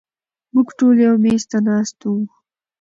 مونږ ټول يو مېز ته ناست وو